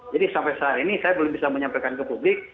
jadi sampai saat ini saya belum bisa menyampaikan ke publik